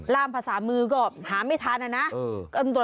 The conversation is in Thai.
ร่ามภาษามือก็หาไม่ทันนะนะ